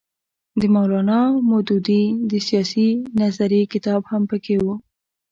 د مولانا مودودي د سیاسي نظریې کتاب هم پکې وو.